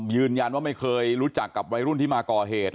ยืนยันว่าไม่เคยรู้จักกับวัยรุ่นที่มาก่อเหตุ